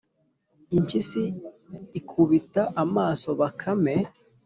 impyisi ikubita amaso bakame